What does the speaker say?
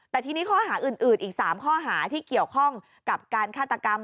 แต่ทีนี้ข้อหาอื่นอีก๓ข้อหาที่เกี่ยวข้องกับการฆาตกรรม